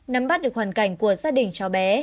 nắm bắt được hoàn cảnh của gia đình cháu bé